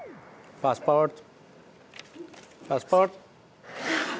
パスポート。